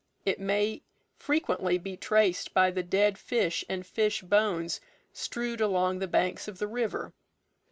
It may frequently be traced by the dead fish and fish bones strewed along the banks of the river.